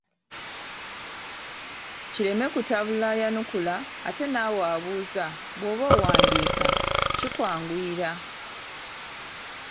Kireme kutabula ayanukula ate naawe abuuza bw’oba owandiika kikwanguyira.